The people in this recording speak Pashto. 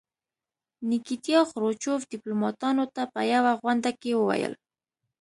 نیکیتیا خروچوف ډیپلوماتانو ته په یوه غونډه کې وویل.